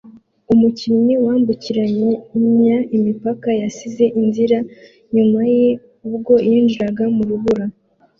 Umukinnyi wambukiranya imipaka yasize inzira inyuma ye ubwo yinjiraga mu rubura